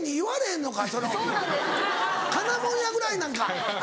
金物屋ぐらいなんか。